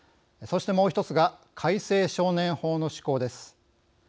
そして、もう１つが改正少年法の施行です。